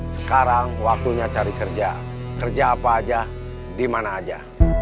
sekarang waktunya cari kerja kerja apa aja dimana aja